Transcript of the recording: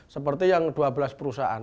seperti yang dua belas perusahaan